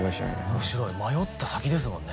面白い迷った先ですもんね